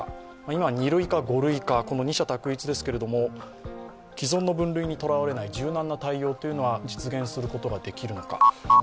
今、２類か５類かこの二者択一ですけれども、既存の分類にとらわれない柔軟な対応は実現することができるのか。